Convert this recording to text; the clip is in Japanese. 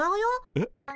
えっ？